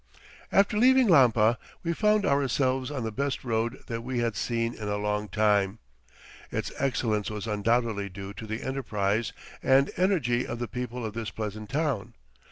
After leaving Lampa we found ourselves on the best road that we had seen in a long time. Its excellence was undoubtedly due to the enterprise and energy of the people of this pleasant town.